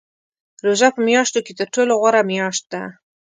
روژه په میاشتو کې تر ټولو غوره میاشت ده .